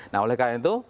nah oleh karena itu